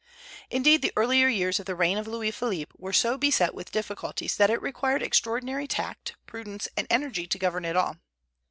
Indeed, the earlier years of the reign of Louis Philippe were so beset with difficulties that it required extraordinary tact, prudence, and energy to govern at all.